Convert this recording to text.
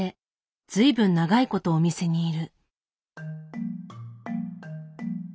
随分長いことお店にいる。